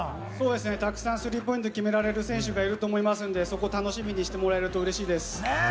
たくさんスリーポイント決められる選手がいると思うので、そこを楽しみにしてもらえるとうれしいです。